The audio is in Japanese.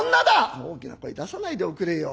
「大きな声出さないでおくれよ。